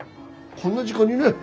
こんな時間にね。